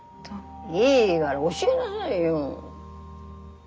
いいがら教えなさいよ。